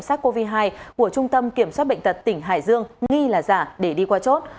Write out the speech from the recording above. sars cov hai của trung tâm kiểm soát bệnh tật tỉnh hải dương nghi là giả để đi qua chốt